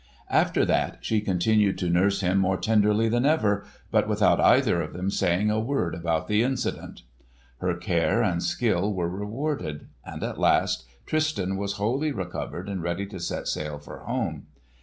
After that she continued to nurse him more tenderly than ever, but without either of them saying a word about the incident. Her care and skill were rewarded, and at last Tristan was wholly recovered and ready to set sail for home.